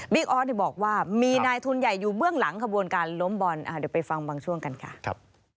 ออสบอกว่ามีนายทุนใหญ่อยู่เบื้องหลังขบวนการล้มบอลเดี๋ยวไปฟังบางช่วงกันค่ะ